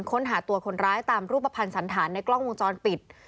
ค้นหาตัวคนร้ายตามรูปภัณฑ์สันธารในกล้องวงจรปิด